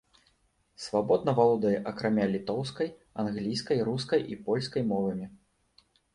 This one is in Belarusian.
Свабодна валодае акрамя літоўскай англійскай, рускай і польскай мовамі.